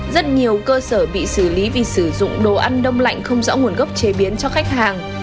rất nhiều cơ sở bị xử lý vì sử dụng đồ ăn đông lạnh không rõ nguồn gốc chế biến cho khách hàng